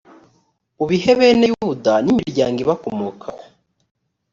ubihe bene yuda n imiryango ibakomokaho